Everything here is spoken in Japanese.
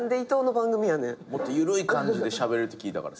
もっとゆるい感じでしゃべるって聞いたからさ。